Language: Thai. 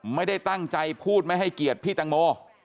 ไม่ได้ตั้งใจพูดไม่ให้เกียรติพี่ตังโม